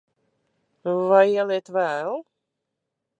Vai ieliet vēl?